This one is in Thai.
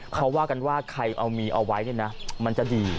เขาว่ากันว่าใครเอามีเอาไว้มันจะดี